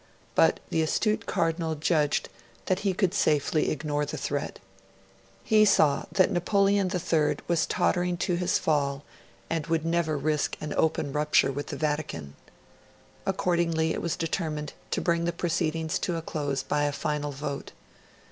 But the astute Cardinal judged that he could safely ignore the threat. He saw that Napoleon III was tottering to his fall and would never risk an open rupture with the Vatican. Accordingly, it was determined to bring the proceedings to a close by a final vote.